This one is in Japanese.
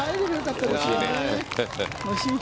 惜しい。